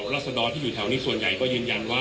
คุณผู้ชมไปฟังผู้ว่ารัฐกาลจังหวัดเชียงรายแถลงตอนนี้ค่ะ